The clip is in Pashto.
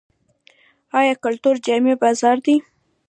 آیا کلتوري جامې بازار لري؟